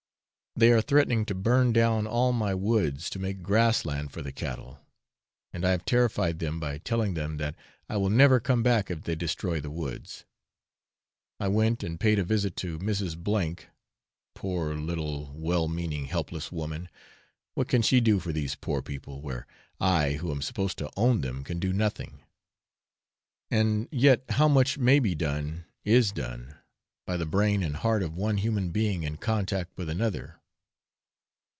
They are threatening to burn down all my woods to make grass land for the cattle, and I have terrified them by telling them that I will never come back if they destroy the woods. I went and paid a visit to Mrs. G ; poor little, well meaning, helpless woman! what can she do for these poor people, where I who am supposed to own them can do nothing? and yet how much may be done, is done, by the brain and heart of one human being in contact with another!